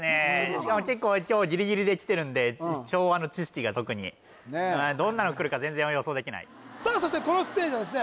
しかも結構今日ギリギリできてるんで昭和の知識が特にねえどんなのくるか全然予想できないさあそしてこのステージはですね